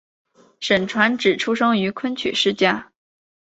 沈传芷出生于昆曲世家。